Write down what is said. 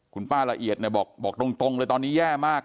คุณป้าละเอียดเนี่ยบอกตรงเลยตอนนี้แย่มาก